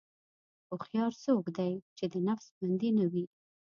هوښیار څوک دی چې د نفس بندي نه وي.